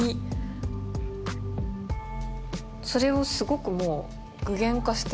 それをすごくもう具現化して。